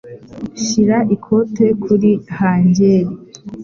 Shyira ikote kuri hangeri.